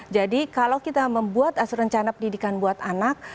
jadi kalau kita membuat asuransi pendidikan buat anak